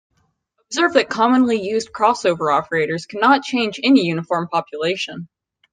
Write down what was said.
Observe that commonly used crossover operators cannot change any uniform population.